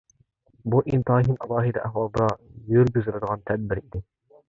بۇ ئىنتايىن ئالاھىدە ئەھۋالدا يۈرگۈزۈلىدىغان تەدبىر ئىدى.